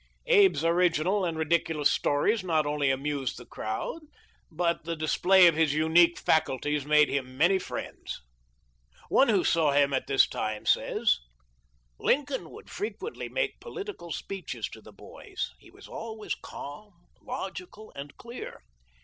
Abe's original and 58 THE LIFE OF LINCOLN. ridiculous stories not only amused the crowd, but the display of his unique faculties made him many friends. One who saw him at this time says :" Lincoln would frequently make political speeches to the boys ; he was always calm, logical, and clear.